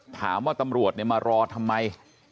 ถามว่าตำรวจเนี่ยมารอทำไม